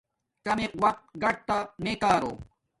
کمک وقت گاٹتا میے کارو